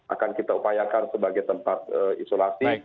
akan kita upayakan sebagai tempat isolasi